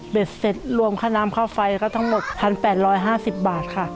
เสร็จรวมค่าน้ำค่าไฟก็ทั้งหมด๑๘๕๐บาทค่ะ